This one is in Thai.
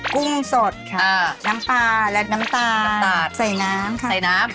กุ้งสดน้ำปลาและน้ำตาใส่น้ำค่ะ